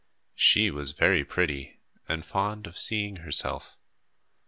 She was very pretty and fond of seeing herself.